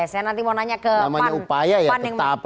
saya nanti mau nanya ke pan namanya upaya ya tetap